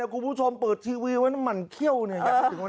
แล้วคุณผู้ชมเปิดทีวีไว้มันเคี้ยวเนี่ย